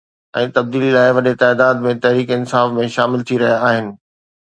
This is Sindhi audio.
۽ تبديلي لاءِ وڏي تعداد ۾ تحريڪ انصاف ۾ شامل ٿي رهيا آهن.